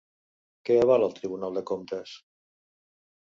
Què avala el Tribunal de Comptes?